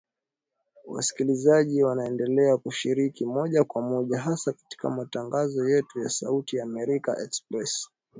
Wasikilizaji waendelea kushiriki moja kwa moja hasa katika matangazo yetu ya Sauti ya Amerika Express